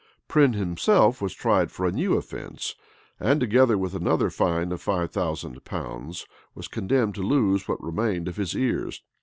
Prynne himself was tried for a new offence; and, together with another fine of five thousand pounds, was condemned to lose what remained of his ears.